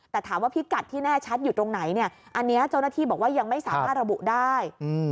แต่ถามว่าพิกัดที่แน่ชัดอยู่ตรงไหนเนี่ยอันนี้เจ้าหน้าที่บอกว่ายังไม่สามารถระบุได้